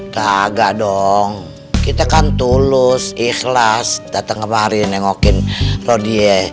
gagak dong kita kan tulus ikhlas datang kemarin mengokin robi ya